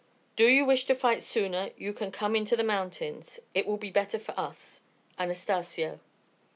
Do you wish to fight sooner you can come into the mountains. It will be better for us. ANASTACIO.